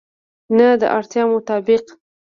نه، د اړتیا مطابق